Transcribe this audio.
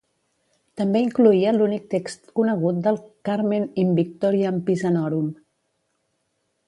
També incloïa l'únic text conegut del "Carmen in victoriam Pisanorum".